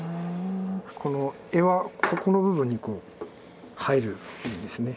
この柄はここの部分に入るんですね。